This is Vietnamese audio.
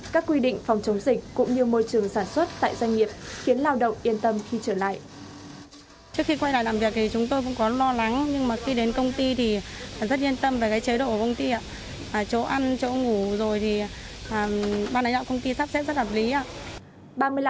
các quy định phòng chống dịch cũng như môi trường sản xuất tại doanh nghiệp khiến lao động yên tâm khi trở lại